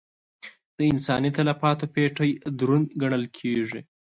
د انساني تلفاتو پېټی دروند ګڼل کېږي.